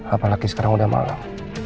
apalagi sekarang udah malam